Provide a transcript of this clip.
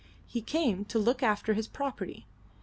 He came to look after his property.